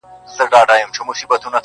پنډ مه گوره، ايمان ئې گوره.